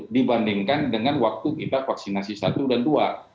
dibandingkan dengan waktu kita vaksinasi satu dan dua